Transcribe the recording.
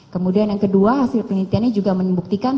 kemudian yang kedua hasil penelitian ini juga membuktikan